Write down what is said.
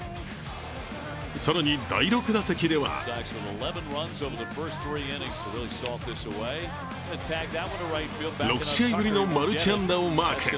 更に第６打席では６試合ぶりのマルチ安打をマーク。